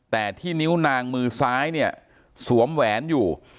แต่ที่นิ้วนางมือซ้ายเนี่ยสวมแหวนอยู่